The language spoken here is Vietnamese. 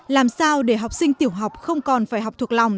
làm sao để học sinh tiểu học không còn phải học thuộc lòng